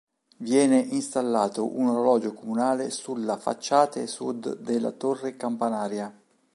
Viene installato un orologio comunale sulla facciate Sud della torre campanaria.